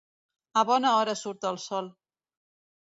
A bona hora surt el sol.